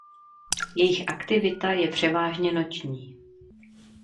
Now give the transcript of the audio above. Jejich aktivita je převážně noční.